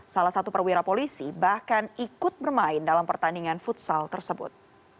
salah satu perwira polisi bahkan ikut bermain dalam pertandingan futsal tersebut